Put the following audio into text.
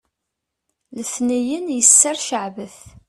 letniyen yesser ceɛbet